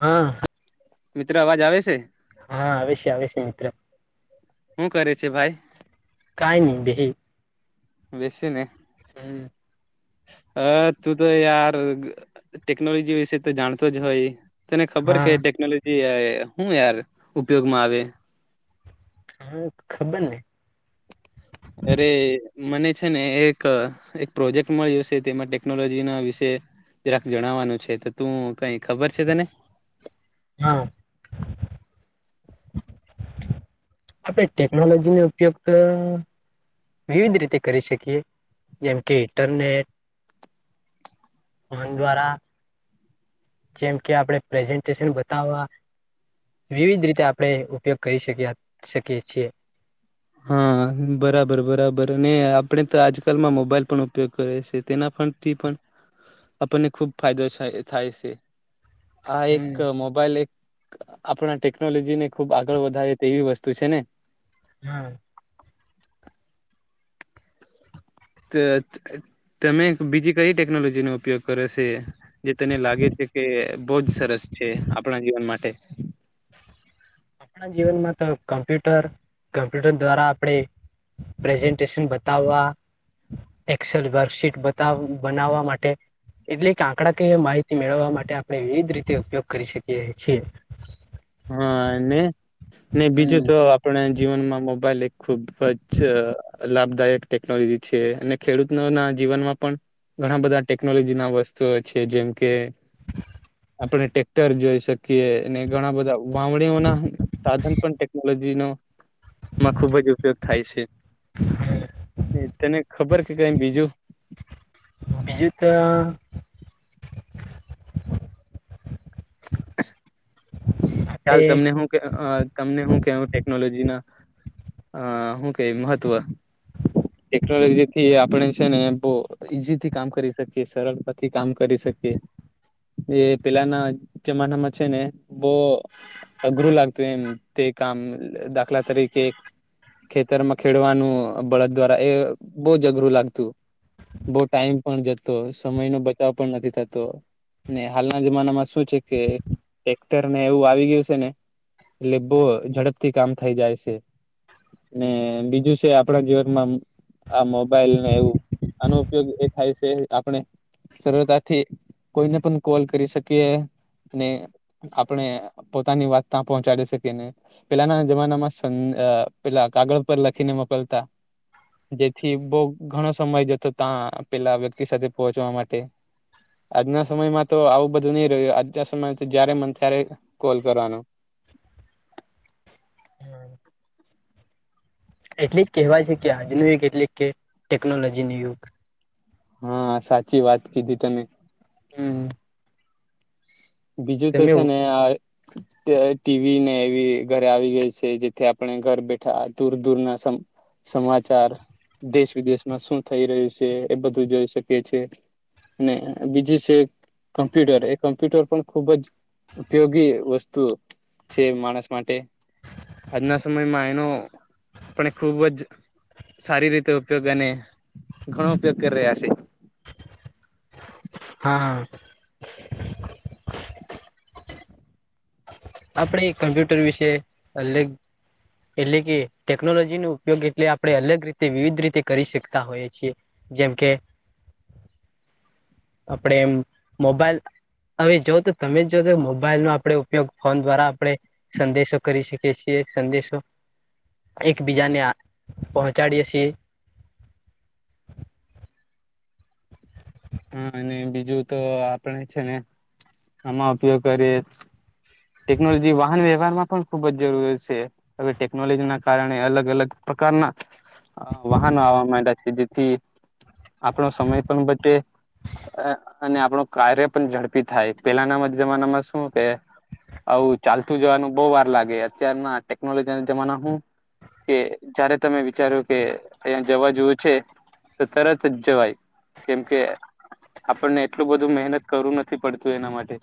હા મિત્રો અવાજ આવે છે હા આવેછે આવેછે મિત્ર શું કરે છે ભાઈ કઈ નહી દેહી બેસીને હમ હ તું તો યાર ટેકનોલોજી વિશે તો જાણતો જ હોય તને હા ખબર કે હા ટેકનોલોજી શું યાર ઉપયોગ માં આવે હા ખબર નહિ અરે મને છે ને એક એક પ્રોજેક્ટ મળ્યોશે તેમાં ટેકનોલોજી ના વિશે જરાક જણાવવાનું છે તો તું કઈ ખબર છે તને હા આપણે ટેકનોલોજી નો ઉપયોગ વિવિધ રીતે કરી શકીએ જેમ કે ઇન્ટરનેટ ફોન દ્વારા જેમ કે આપડે પ્રેઝન્ટેશન બતાવવા વિવિધ રીતે આપણે ઉપયોગ કરી શકી શકીએ છીએ હા બરાબર બરાબર અને આપણેે તો આજકાલમાં મોબાઈલ પણ ઉપયોગ કરે છે તેના પણથી પણ આપણને ખુબ ફાયદો થ થાય છે આ એક મોબાઈલ એક આપણા ટેકનોલોજી ને ખુબ આગળ વધાવ તેવી વસ્તુ છેને. હા તો તમે બીજી કઈ ટેકનોલોજી નો ઉપયોગ કરો છે. જે તને લાગે છે, કે બહુ જ સરસ છે આપણા જીવન માટે આપણા જીવનમા, તો કમ્પ્યુટર કમ્પ્યુટર દ્વારા આપણે પ્રઝન્ટેશન બતાવવા એક્સેલ વર્કશીટ બતાવ બનાવવા માટે એટલે કે આંકડા ક માહિતી મેળવવા માટે આપણે વિવિધ રીતે ઉપયોગ કરી શકીએ છીએ. હા ને ને બીજુ તો આપણા જીવનમાં મોબાઈલ એક ખુબજ લાભદાયક ટેકનોલોજી છે, અને ખેડૂત ના જીવનમાં પણ ઘણા બધા ટેકનોલોજી ના વસ્તુઓ છે, જેમ કે આપડણે ટેક્ટર જોઈ શકીએ ઘણા બધા વાવણીઓ ના સાધન પણ ટેકનોલોજી નો માં ખુબ જ ઉપયોગ થાય છે, તને ખબર કે કઈ બીજુ બીજું તો [unintelligible] હ ચાલ તમને શુ કે તમને શું કેું ટેકનોલોજી ના હ શું કે મહત્વ ટેકનોલોજી થી આપણે છેને, બહ ઈઝીથી કામ કરી શકીએ સરળતાથી કામ કરી શકીએ એ પેલાના જમાનામાં છેને, બહ ગુરુ લાગત તે કામ દાખલા તરીકે ખેતર માં ખેડવાનું બળદ દ્વારા એ બહુ જ અઘરું લાગતુ બહુ ટાઈમ પણ જતો સમય નો બચાવ પણ નથી થતો. ને હાલના જમાનામાં શું છે, કે ટ્રેક્ટર ને એવું આવી ગયુ છેને, એટલે બહુ ઝડપથી કામ થઈ જાય છે. ને બીજુ છે, આપણા જીવનમા આ મોબાઈલ ને એવું આનો ઉપયોગ એ થાય છે, આપણે સરળતાથી કોઈને, પણ કોલ કરી શકીએ આપણે પોતાની વાત ત્યાં પહોંચાડીે શ કેને પેલાના જમાના માં પેલા કાગળ પર લખીને મોકલતા જેથી બહુ ઘણો સમય જતો, ત્યાં પેલા વ્યક્તિ સાથે પહોચવા માટે આજના સમયમાં તો આવું બધું નઈ રહ્યુ, આજના સમયમાં તો જયારે મને ત્યારે કોલ કરવાનો એટલી જ કહેવાય છે, કે આજનું યુગ એટલી કે ટેકનોલોજી ન યુગ હા, સાચી વાત કીધી તમે હમ્મ બીજુ તો છેને. હ ટીવી ને એવી ઘરે આવી ગઈ છે, જેથી આપણે ઘર બેઠા દૂર દૂર ના સમાચાર દેશ વિદેશમા શું થઈ રહ્યુ છે એ બધું જોઈ શકીએ છે. ને બીજું છે, કોમ્પ્યુટર એ કોમ્પ્યુટર પણ ખુબ જ ઉપયોગી વસ્તુ છે, માણસ માટે આજના સમયમાં એનો આપ ખુબજ સારી રીતે ઉપયોગ અને ઘણો ઉપયોગ કરી રહ્યા છે. હા હા આપણે કમ્પ્યુટર વિશે અગ એટલે કે ટેકનોલોજી નો ઉપયોગ એટલે આપણે અલગ રીતે વિવિધ રીતે કરી શકતા હોયએ છીએ. જેમ કે આપડે એમ મોબાઈલ હવે જો તો તમે જો તો મોબાઈલ નો આપડ ઉપયોગ ફોન દ્વારા આપડે સંદેશો કરી શકીએ છીએ સંદેશો. એકબીજાને પહોંચાડીએ છીએ. હા અને બીજું તો આપણે છે ને આમાં ઉપયોગ કરીએ. ટેકનોલોજી વાહન વ્યવહાર માં પણ ખુબ જ જરૂરી છે. હવે ટેકનોલોજી ના કારણે અલગ અલગ પ્રકારના અ વાહનો આવવા માંડ્યા છે જેથી આપણો સમય પણ બચે અને આપણું કાર્ય પણ ઝડપી થાય પેલાના જમાનામાં શું કે હ ચાલતું જવાનું બહ વાર લાગે અત્યાર ના ટેકનોલોજી ના જમાના હું કે જયારે તમે વિચારો કે અહીં જવા જેવું છે. તો તરત જ જવાય કેમ કે આપણને એટલું બધું મહેનત કરું નથી પડતું એના માટે‌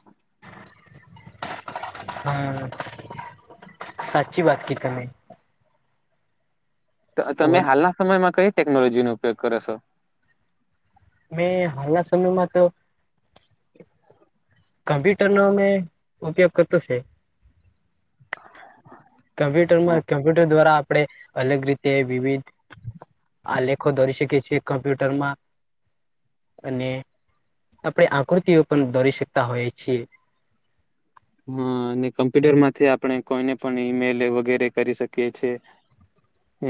હમ સાચી વાત કી તમે. તમે હાલના સમયમાં કઈ ટેકનોલોજીનો ઉપયોગ કરો છો? મેં હાલના સમયમાં તો કમ્પ્યુટરનો મેં ઉપયોગ કરતો છે. કમ્પ્યુટર હ માં કમ્પ્યુટર દ્વારા આપણે અલગ રીતે તે વિવિધ આ લેખો દરી શકે છીએ કમ્પ્યુટર માં. અને આપણે આકૃતિઓ પણ દોરી શકતા હોઈએ છીએ. હા અને કમ્પ્યુટર માંથી આપણે કોઈને પણ ઈમેલ વગેરે કરી શકીએ છે.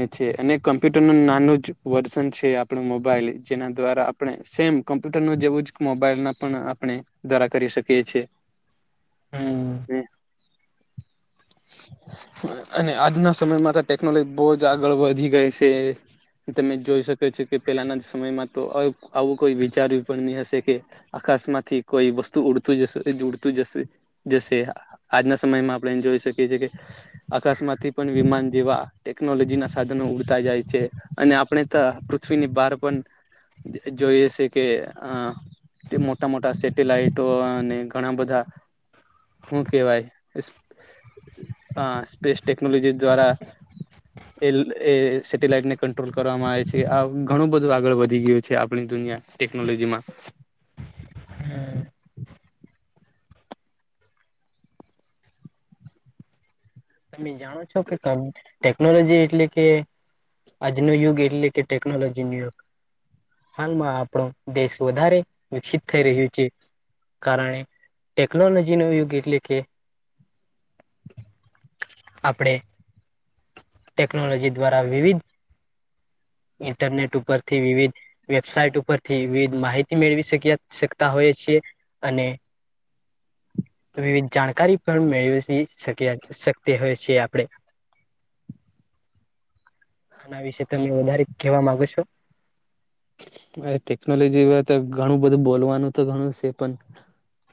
એ છે અને કમ્પ્યુટર ન નાનું જ વર્ઝન છે આપણું મોબાઈલ જેના દ્વારા આપણે સેમ કોમ્પ્યુટર ન જેવું જ મોબાઈલ ના પણ આપણે દ્વારા કરી શકીએ છીએ. હમ્મ. હ અને આજના સમયમાં તો ટેકનોલોજી બહુ જ આગળ વધી ગઈ છે. તમે જોઈ શકો છો કે પેલાના સમયમાં તો આવું કોઈ વિચારું પણ નહી હશે કે આકાશ માંથી કોઈ વસ્તુ ઉડતું જશે જ ઉડતું જશે. જશે આજના સમયમાં આપણે એ જોઈ શકીએ છીએ કે અકસ્માતથી પણ વિમાન જેવા ટેકનોલોજી ના સાધનો ઉડતા જાય છે અને આપણે ત પૃથ્વીની બહાર પણ જોઈએ છે કે અ મોટા મોટા સેટેલાઈટો અને ઘણા બધા હું કે ભાઈ અ સ્પેસ ટેક્નોલોજી દ્વારા એ એ સેટેલાઈટ ને કંટ્રોલ કરવામાં આવે છે આ ઘણું બધું આગળ વધી ગયું છે. આપણી દુનિયા ટેકનોલોજી માં હમ્મ. તમે જાણો છો કે ક ટેકનોલોજી એટલે કે આજનો યુગ એટલે કે ટેકનોલોજી નો યુગ. હાલમાં આપણો દેશ વધારે વિકસિત થઈ રહ્યો છે. કારણે ટેકનોલોજી નો યુગ એટલે કે આપણે ટેકનોલોજી દ્વારા વિવિધ ઇન્ટરનેટ ઉપર થી વિવિધ વેબસાઇટ ઉપરથી વિવિધ માહિતી મેળવી શ શકતા હોય છીએ. અને વિવિધ જાણકારી પણ મેળવી શક્યા. તે હોય છે આપણે. આના વિશે તમે વધારે કહેવા માંગો છો? અ ટેકનોલોજી તો ઘણું બધું બોલવાનું તો ઘણું છે પણ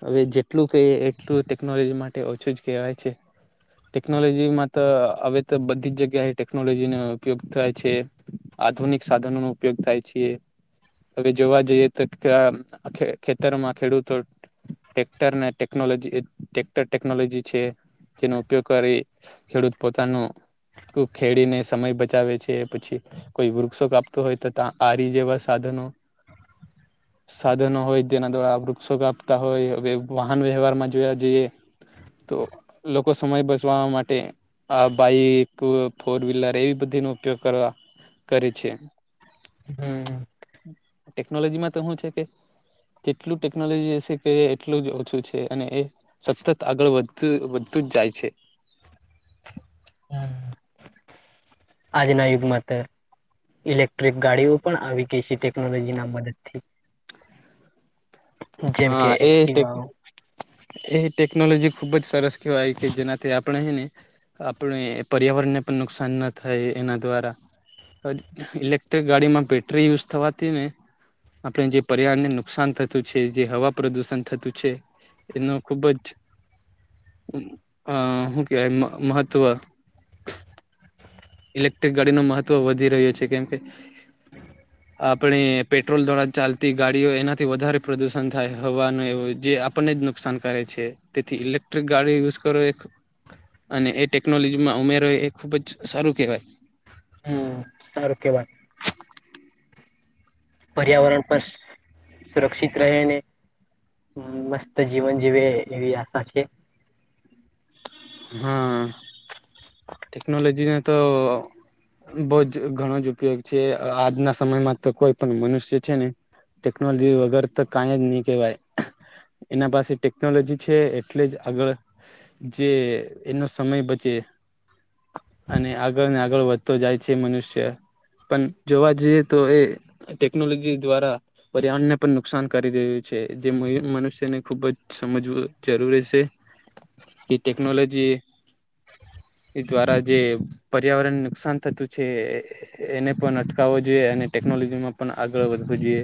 હવે જેટલું ક એટલું ટેકનોલોજી માટે ઓછું જ કહેવાય છે. ટેકનોલોજી માં તો હવે તો બધી જ જગ્યાએ ટેકનોલોજીનો ઉપયોગ થાય છે‌. આધુનિક સાધનો નો ઉપયોગ થાય છે. હવે જોવા જઈએ તો કે ખેતરમાં ખેડૂતો ટટેક્ટર ને ટેકનોલોજી ટટેક્ટર ટેકનોલોજી છે જેનો ઉપયોગ કરી ખેડૂત પોતાનું ખેડીને સમય બચાવે છે પછી કોઈ વૃક્ષો કાપતો હોય તો ત આ ર જે વસ્ત સાધનો હ સાધનો હોય જેના દ્વારા વૃક્ષો કાપતા હોય હવે વાહન વ્યવહારમાં જોવા જઈએ તો લોકો સમય બચવા માટે આ બાઈક ફોર વ્હીલર એવી બધી નો ઉપયોગ કરવા કરે છે હમ ટેકનોલોજી માં તો શું છે કે જેટલું ટેકનોલોજી એશે ક એટલું જ ઓછું છે અને એ સતત આગળ વધતું વધું જ જાય છે આજનાયુગમાંત ઈલેક્ટ્રિક ગાડીઓ પણ આવી ગઈ છે ટેકનોલોજી ના મદદથી જેમ કે હા એ ટેક એક્ટિવાઓ એ ટેકનોલોજી ખુબ જ સરસ કહેવાય કે જેનાથી આપણે હ ને આપણે પર્યાવરણને પણ નુકસાન ના થાય એના દ્વારા ઈલેક્ટ્રિક ગાડી માં બેટરી યુઝ થવાથી ને આપણે જે પરિવારને નુકસાન થતું છે જે હવા પ્રદુષણ થતું છે એનો ખુબ જ આકે મહત્ત્વ ઇલેક્ટ્રિક ગાડી ન મહત્વ વધી રહ્યો છે કેમ કે હ આપણે પેટ્રોલ દ્વારા ચાલતી ગાડીઓ એનાથી વધારે પ્રદુષણ થાય હવાનું એવ જે આપણને જ નુકસાન કરે છે તેથી ઇલેક્ટ્રિક ગાડી યુઝ કરો એક અને એ ટેકનોલોજીમાં ઉમેરો એ ખુબ જ સારું કેહેવાય હમ સારું કેવાય પર્યાવરણ પર સુરક્ષિત રહેને હ મસ્ત જીવન જીવે એવી આશા છે હા ટેકનોલોજીને તો બહ જ ઘણો જ ઉપયોગ છે આજના સમયમાં તો કોઈ પણ મનુષ્ય છે ને ટેક્નોલોજી વગર તો કં જ નહી કેહેવાય એના પાસે ટેકનોલોજી છે એટલે જ આગળ જે એનો સમય બચે અને આગળ ને આગળ વધતો જાય છે મનુષ્ય પણ જોવા જઈએ તો એ ટેકનોલોજી દ્વારા પર્યાવરણને પણ નુકસાન કરી રહ્યું છે જે મનુષ્યને ખુબ જ સમજવું જરૂરી છે [inaudible] કે ટેકનોલોજી દ્વારા જે પર્યાવરણને નુકસાન થતું છે એને પણ અટકાવવું જોઈએ અને ટેકનોલોજીમાં પણ આગળ વધવું જોઈએ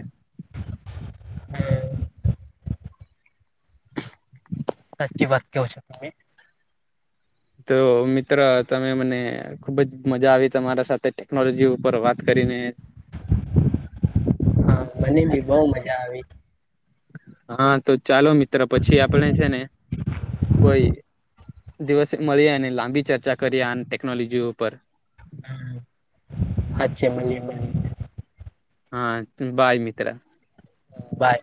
સાચી વાત કેવું છે તો મિત્ર તમે મને ખુબ જ મજા આવી તમારા સાથે ટેકનોલોજી ઉપર વાત કરીને. હા મને બી બઉ મજા આવી. હા તો ચાલો મિત્ર પછી આપણે છે ને કોઈ દિવસે મળીએ અને લાંબી ચર્ચા કરીએ ટેકનોલોજી ઉપર. હમ હાચે મલીએ મલીએ હા બાય મિત્ર. બાય.